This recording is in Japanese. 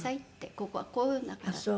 「ここはこうだから」って。